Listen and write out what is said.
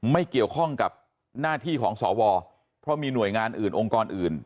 ไม่เกี่ยวข้องกับหน้าที่ของสวเพราะมีหน่วยงานอื่นองค์กรอื่น